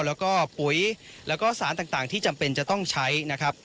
แล้วก็ปุ๋ยแล้วก็สารต่างที่จำเป็นจะต้องใช้นะครับ